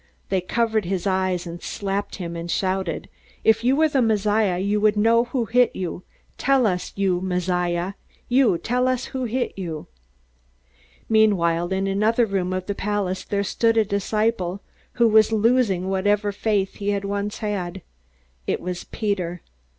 They covered his eyes, and slapped him, and shouted: "If you were the Messiah, you would know who hit you! Tell us, you Messiah you tell us who hit you!" Meanwhile, in another room of the palace, there stood a disciple who was losing whatever faith he had once had. It was Peter.